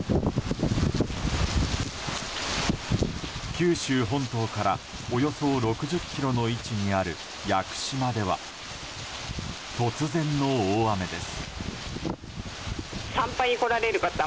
九州本島から、およそ６０ｋｍの位置にある屋久島では突然の大雨です。